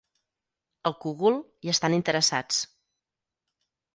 Al Cogul, hi estan interessats.